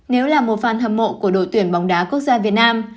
nếu là một phan hâm mộ của đội tuyển bóng đá quốc gia việt nam